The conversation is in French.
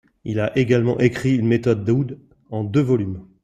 Il a également écrit une méthode d'oud en deux volumes.